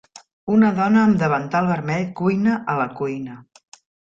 Una dona amb davantal vermell cuina a la cuina.